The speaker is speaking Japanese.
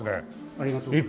ありがとうございます。